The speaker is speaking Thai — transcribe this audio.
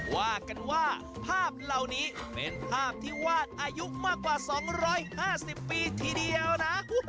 ว่ากันว่าภาพเหล่านี้เป็นภาพที่วาดอายุมากกว่า๒๕๐ปีทีเดียวนะ